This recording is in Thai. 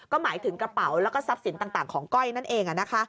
ก็หมายถึงกระเป๋าแล้วก็ทรัพย์สินต่างของก้อยนั่นเอง